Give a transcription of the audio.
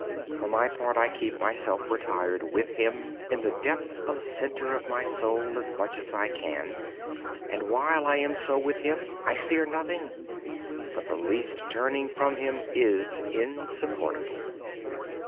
For my part I keep myself retired with Him in the depth and center of my soul as much as I can. While I am with Him I fear nothing; but the least turning from Him is insupportable.